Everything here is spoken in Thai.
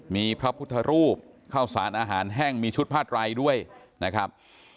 มีพระพุทธรูปข้าวสารอาหารแห้งมีชุดผ้าไรด้วยนะครับ